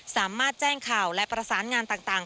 สามารถแจ้งข่าวและประสานงานต่าง